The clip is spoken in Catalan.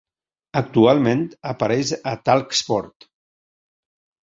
Actualment, apareix a Talksport.